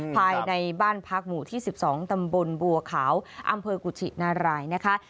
ภายในบ้านพักหมู่ที่๑๒ตำบลบัวขาวอำเภอกุชินารายนะคะ